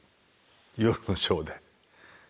夜のショーで。